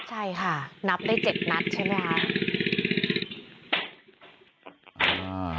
ใช่ค่ะนับได้เจ็ดนัดใช่ไหมครับ